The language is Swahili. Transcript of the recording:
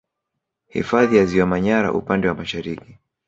Hifadhi ya ziwa Manyara upande wa Mashariki